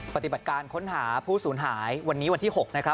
ปฏิบัติการค้นหาผู้สูญหายวันนี้วันที่๖นะครับ